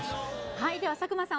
はいでは佐久間さん